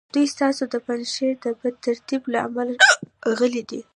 دوی ستاسو د فرنیچر د بد ترتیب له امله راغلي دي